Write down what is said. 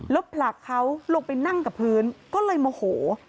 แล้วผลักเขาลงไปนั่งกับพื้นก็เลยโมโห